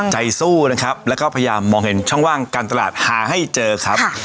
ใจสู้นะครับแล้วก็พยายามมองเห็นช่องว่างการตลาดหาให้เจอครับ